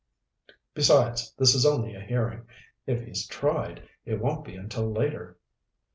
Besides, this is only a hearing. If he's tried, it won't be until later."